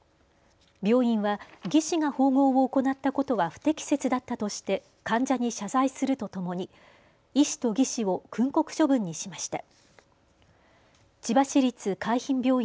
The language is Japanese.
病院は技士が縫合を行ったことは不適切だったとして患者に謝罪するとともに医師と技士を訓告処分にしました。